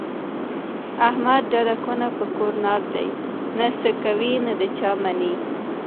احمد ډډه کونه په کور ناست دی، نه څه کوي نه د چا مني.